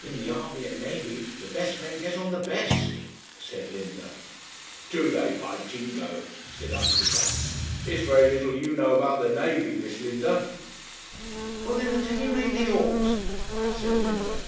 'In the army and navy the best men get on the best,' said Linda. 'Do they, by jingo!' said Uncle Bat. 'It's very little you know about the navy, Miss Linda.' 'Well, then, at any rate they ought,' said Linda.